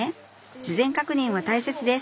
事前確認は大切です。